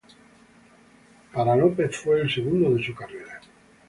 Para López fue el segundo de su carrera.